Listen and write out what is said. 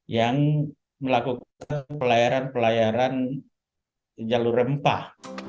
yang melakukan pelayaran pelayaran jalur rempah